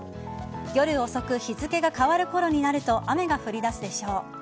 夜遅く日付が変わるころになると雨が降り出すでしょう。